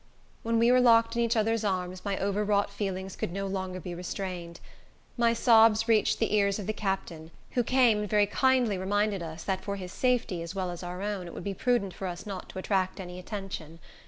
When we were locked in each other's arms, my overwrought feelings could no longer be restrained. My sobs reached the ears of the captain, who came and very kindly reminded us, that for his safety, as well as our own, it would be prudent for us not to attract any attention.